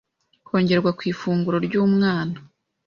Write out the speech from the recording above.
kongerwa ku ifunguro ry’umwana